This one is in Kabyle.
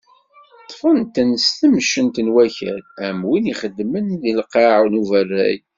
Ṭṭfen-ten s temcent n wakal am win i ixeddmen deg lqaε n uberray.